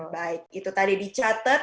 baik itu tadi dicatat